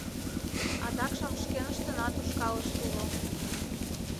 Адакшым шкеныштынат ушкалышт уло.